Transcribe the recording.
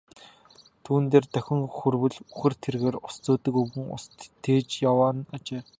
Түүн дээр давхин хүрвэл үхэр тэргээр ус зөөдөг өвгөн ус тээж яваа нь ажээ.